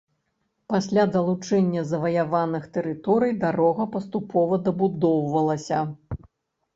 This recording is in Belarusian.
Пасля далучэння заваяваных тэрыторый, дарога паступова дабудоўвалася.